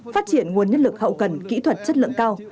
phát triển nguồn nhân lực hậu cần kỹ thuật chất lượng cao